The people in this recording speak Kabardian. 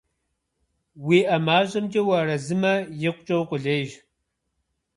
УиӀэ мащӀэмкӀэ уарэзымэ, икъукӀэ укъулейщ.